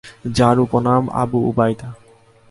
যাঁর উপনাম আবু উবায়দা।